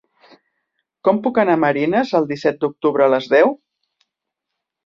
Com puc anar a Marines el disset d'octubre a les deu?